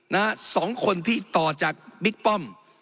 สองคนที่ต่อจากบิ๊กป้อม